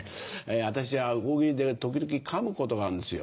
私は「大喜利」で時々噛むことがあるんですよ。